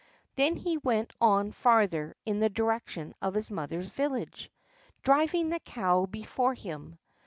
Then he went on farther in the direction of his mother's village, driving the cow before him.